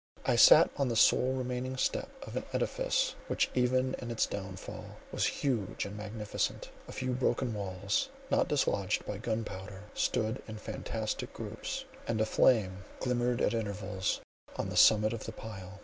I sat on the sole remaining step of an edifice, which even in its downfall, was huge and magnificent; a few broken walls, not dislodged by gunpowder, stood in fantastic groupes, and a flame glimmered at intervals on the summit of the pile.